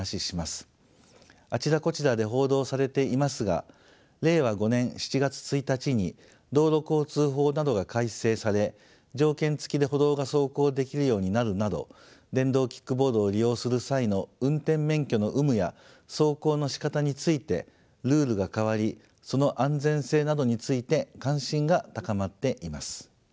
あちらこちらで報道されていますが令和５年７月１日に道路交通法などが改正され条件付きで歩道が走行できるようになるなど電動キックボードを利用する際の運転免許の有無や走行のしかたについてルールが変わりその安全性などについて関心が高まっています。